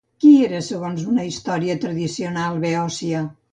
Qui era segons una història tradicional beòcia?